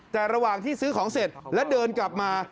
แต่ระหว่างที่ซื้อของเสร็จและเดินกลับมา